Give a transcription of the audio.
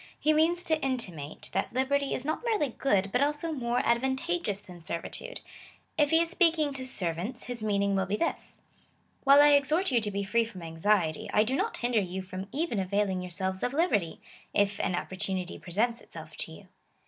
He means to intimate, that liberty is not merely good, but also more advantageous than servitude. If he is speaking to servants, his meaning will be this — While I exhort you to be free from anxiety, I do not hinder you from even availing yourselves of liberty, if an opportunity presents itself to you.